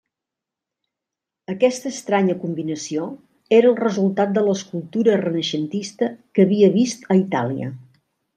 Aquesta estranya combinació era el resultat de l'escultura renaixentista que havia vist a Itàlia.